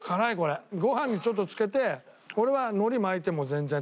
ご飯にちょっとつけて俺はのり巻いても全然食べちゃう。